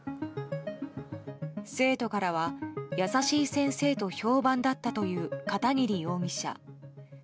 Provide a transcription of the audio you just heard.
生徒からは優しい先生と評判だったという片桐容疑者。